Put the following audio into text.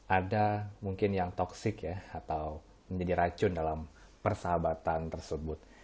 ada mungkin yang toxic ya atau menjadi racun dalam persahabatan tersebut